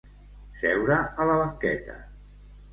Seure a la banqueta.